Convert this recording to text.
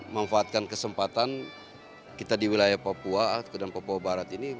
memanfaatkan kesempatan kita di wilayah papua dan papua barat ini